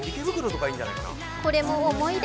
これも思い出。